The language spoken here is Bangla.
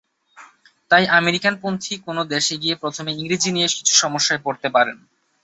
তাই আমেরিকানপন্থী কোনো দেশে গিয়ে প্রথমে ইংরেজি নিয়ে কিছু সমস্যায় পড়তে পারেন।